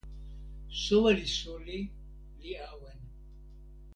soweli suli li awen.